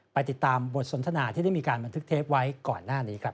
ไปติดตามบทสนทนาที่ได้มีการบันทึกเทปไว้ก่อนหน้านี้ครับ